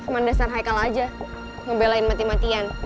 mandasar hikal aja ngebelain mati matian